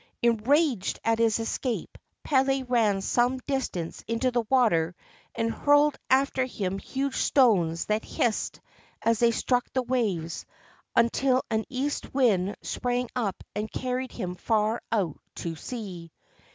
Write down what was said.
Enraged at his escape, Pele ran some distance into the water and hurled after him huge stones that hissed as they struck the waves, until an east wind sprang up and carried him far out to sea.